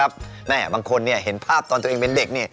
บางคนเห็นภาพที่ทุกคนตัวเองเป็นเด็ก